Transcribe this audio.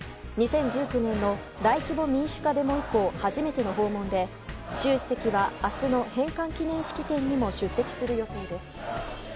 ２０１９年の大規模民主化デモ以降初めての訪問で習主席は明日の返還記念式典にも出席する予定です。